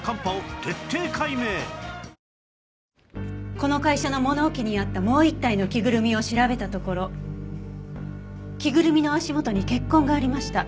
この会社の物置にあったもう１体の着ぐるみを調べたところ着ぐるみの足元に血痕がありました。